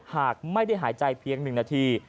หากไม่ได้หายใจเพียง๑นาที